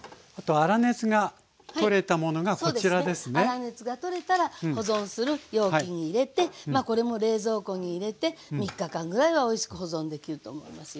粗熱が取れたら保存する容器に入れてこれも冷蔵庫に入れて３日間ぐらいはおいしく保存できると思いますよ。